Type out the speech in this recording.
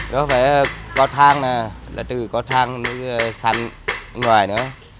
đó phải có thang nè là từ có thang đến sàn ngoài nữa